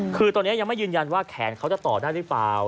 คือตอนนี้ยังไม่ยืนยันว่าแขนเขาจะต่อได้หรือเปล่า